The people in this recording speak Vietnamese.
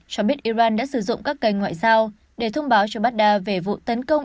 cho biết iran đã sử dụng các kênh ngoại giao để thông báo cho baghdad về vụ tấn công